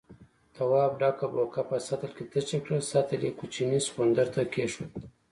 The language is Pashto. تواب ډکه بوکه په سطل کې تشه کړه، سطل يې کوچني سخوندر ته کېښود.